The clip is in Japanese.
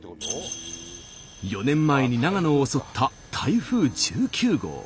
４年前に長野を襲った台風１９号。